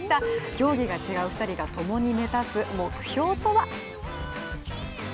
競技が違う２人がともに目指す目標とは？